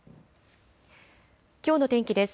きょうの天気です。